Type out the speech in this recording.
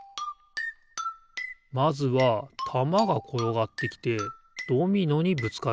まずはたまがころがってきてドミノにぶつかるなあ。